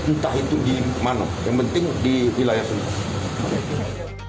entah itu di mana yang penting di wilayah sini